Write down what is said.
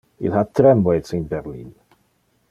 Il ha tramways in Berlin.